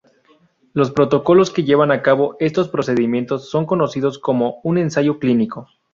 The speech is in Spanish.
Los protocolos que llevan a cabo estos procedimientos son conocidos como un ensayo clínico.